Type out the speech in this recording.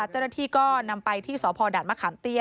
เจ้าหน้าที่ก็นำไปที่สดมเตีย